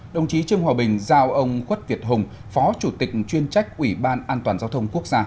đồng chí trương hòa bình giao ông khuất việt hùng phó chủ tịch chuyên trách ủy ban an toàn giao thông quốc gia